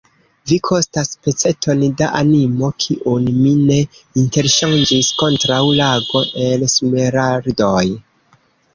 Vi kostas peceton da animo, kiun mi ne interŝanĝis kontraŭ lago el smeraldoj!